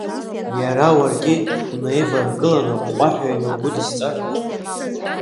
Иара уаргьы, унаиваргыланы аҟәҟәаҳәа инаугәыдысҵар?